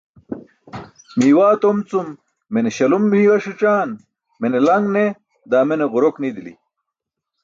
Miiwaa tom cum mene śalum miiwa sićaan, mene laṅ ne, daa mene ġurok nidili.